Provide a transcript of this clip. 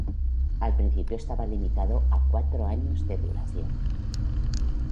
Al principio estaba limitado a cuatro años de duración.